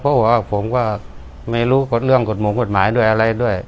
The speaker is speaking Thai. เพราะว่าผมก็ไม่รู้กฎเรื่องกฎหมายด้วยอะไรด้วย